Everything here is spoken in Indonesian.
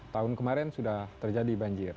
tahun kemarin sudah terjadi banjir